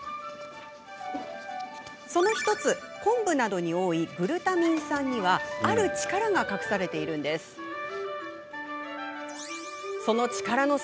その１つ、昆布などに多いグルタミン酸にはある力が隠されているんです。